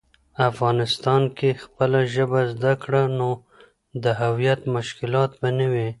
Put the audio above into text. افغانسان کی خپله ژبه زده کړه، نو د هویت مشکلات به نه وي.